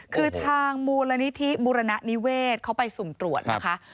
คือทางมูลนิธิบุรณนิเวศเขาไปสุ่มตรวจนะคะ